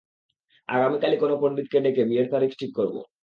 আগামীকালই কোনো পন্ডিতকে ডেকে, বিয়ের তারিখ ঠিক করবো।